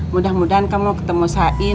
mudah mudahan kamu ketemu said